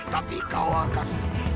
tapi kau akan